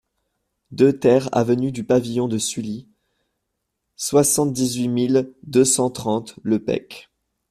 deux TER avenue du Pavillon de Sully, soixante-dix-huit mille deux cent trente Le Pecq